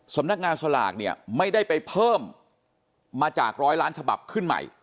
สำนักงานสลากเนี่ยไม่ได้ไปเพิ่มมาจากร้อยล้านฉบับขึ้นใหม่